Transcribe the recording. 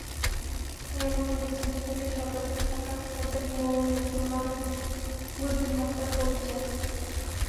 তাই এমন কুচিন্তা থেকে সতর্ক থাকা প্রত্যেক মুমিন মুসলমানের বুদ্ধিমত্তার পরিচায়ক।